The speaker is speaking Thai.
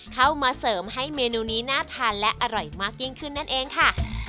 เข้ามาเสริมให้เมนูนี้น่าทานและอร่อยมากยิ่งขึ้นนั่นเองค่ะ